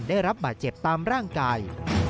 ได้รับบาดเจ็บตามร่างกาย